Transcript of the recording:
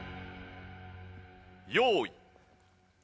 用意。